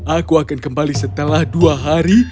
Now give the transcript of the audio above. aku akan kembali setelah dua hari